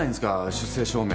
出生証明。